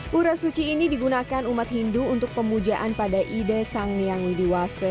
pura suci ini digunakan umat hindu untuk pemujaan pada ide sang yang dewase